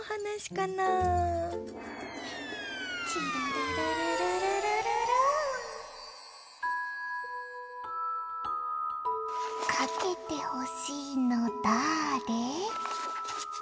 「かけてほしいのだあれ」